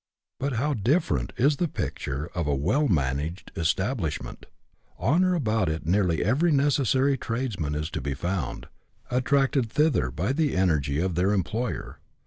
But how different is the picture of a well managed establishment ! On or about it nearly every necessary tradesman is to be found, attracted thither by the energy of their employer.